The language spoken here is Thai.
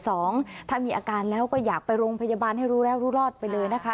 ถ้ามีอาการแล้วก็อยากไปโรงพยาบาลให้รู้แล้วรู้รอดไปเลยนะคะ